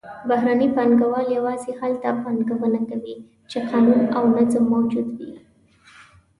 بهرني پانګهوال یوازې هلته پانګونه کوي چې قانون او نظم موجود وي.